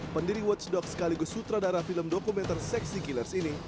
pendiri watch dogs sekaligus sutradara film dokumenter sexy killers ini